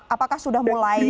apakah sudah mulai